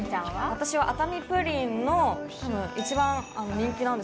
私は熱海プリンの一番人気なんですかね